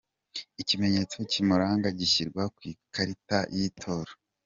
Ikimenyetso kimuranga gishyirwa ku ikarita y’itora